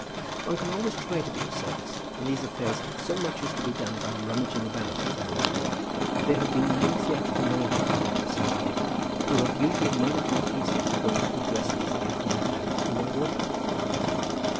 "One can always try to be of service. In these affairs so much is to be done by rummaging about, as I always call it. There have been many theatrical managers, you know, Mr. Harding, who have usually made up their pieces according to the dresses they have happened to have in their wardrobes."